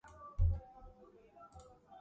შედის ველიკო-ტარნოვოს ოლქში.